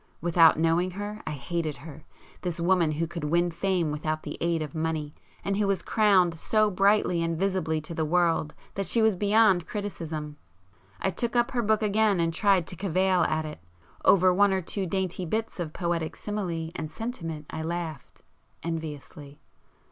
Without knowing her I hated her,—this woman who could win fame without the aid [p 174] of money, and who was crowned so brightly and visibly to the world that she was beyond criticism. I took up her book again and tried to cavil at it,—over one or two dainty bits of poetic simile and sentiment I laughed,—enviously.